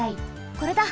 これだ！